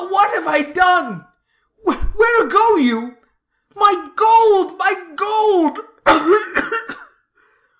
What have I done? Where go you? My gold, my gold!